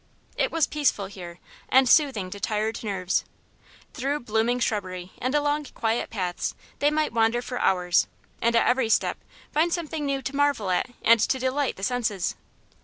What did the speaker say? It was peaceful here, and soothing to tired nerves. Through blooming shrubbery and along quiet paths they might wander for hours, and at every step find something new to marvel at and to delight the senses.